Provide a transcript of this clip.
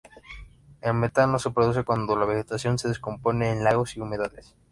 El metano se produce cuando la vegetación se descompone en lagos y humedales.